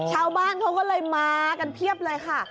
ชาวบ้านเขาก็เลยมากันเพียบเลยค่ะ